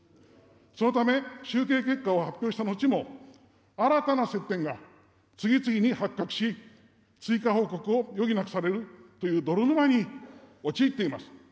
そのため、集計結果を発表したのちも、新たな接点が次々に発覚し、追加報告を余儀なくされるという泥沼に陥っています。